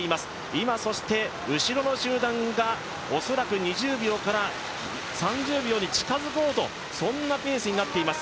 今、そして後ろの集団が恐らく２０秒から３０秒に近づこうとそんなペースになっています。